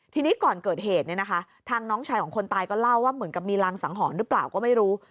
ทีนี้ก่อนเกิดเหตุเนี่ยนะคะทางน้องชายของคนตายก็เล่าว่าเหมือนกับมีรางสังหรณ์หรือเปล่าก็ไม่รู้